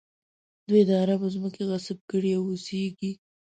دوی د عربو ځمکې غصب کړي او اوسېږي.